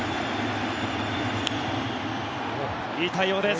いい対応です。